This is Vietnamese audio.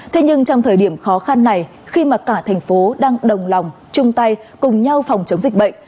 thế nhưng trong thời điểm khó khăn này khi mà cả thành phố đang đồng lòng chung tay cùng nhau phòng chống dịch bệnh